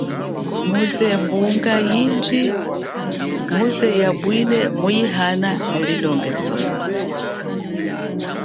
Muze mbunga jize achivwile yaalishimwoka kuhiana longeso.